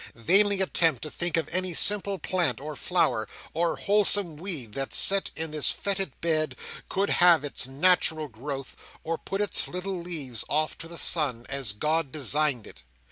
Vainly attempt to think of any simple plant, or flower, or wholesome weed, that, set in this foetid bed, could have its natural growth, or put its little leaves off to the sun as GOD designed it.